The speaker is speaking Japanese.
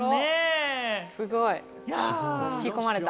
すごい！引き込まれた。